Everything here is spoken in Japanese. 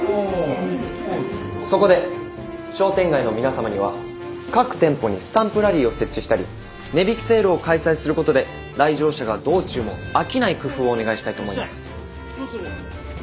そこで商店街の皆様には各店舗にスタンプラリーを設置したり値引きセールを開催することで来場者が道中も飽きない工夫をお願いしたいと思います。